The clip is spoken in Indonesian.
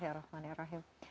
ya rahman ya rahim